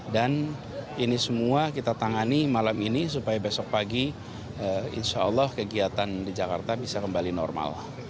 dan ini semua kita tangani malam ini supaya besok pagi insya allah kegiatan di jakarta bisa kembali normal